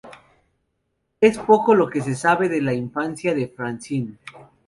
Es poco lo que se sabe de la infancia de Francine.